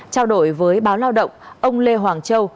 trao đổi với báo lao động ông lê hoàng châu